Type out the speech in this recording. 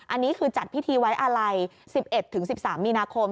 อันนี้คือจัดพิธีไว้อาลัย๑๑๑๑๓มีนาคม